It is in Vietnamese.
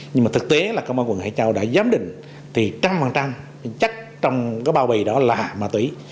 nhưng mà thực tế là công an quận hải châu đã giám định thì một trăm linh chắc trong cái bao bì đó là ma túy